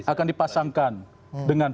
akan dipasangkan dengan